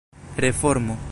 reformo